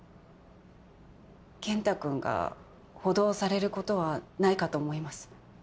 健太君が補導されることはないかと思います。